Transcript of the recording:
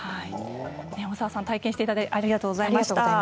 大沢さん体験していただいてありがとうございます。